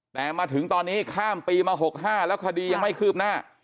แต่มาถึงตอนนี้ข้ามปีมา๖๕แล้วคดียังไม่คืบหน้า